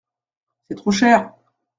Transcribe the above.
C’est trop cher !…